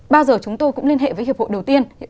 bao giờ chúng tôi cũng liên hệ với hiệp hội đầu tiên